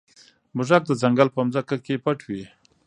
موږک د ځنګل په ځمکه کې پټ وي.